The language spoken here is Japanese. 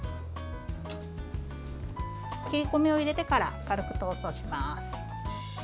切り込みを入れてから軽くトーストします。